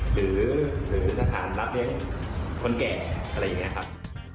หรือสถานรับเลี้ยงคนแก่อะไรอย่างนี้ครับ